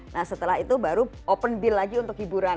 nah setelah itu baru open bill lagi untuk hiburan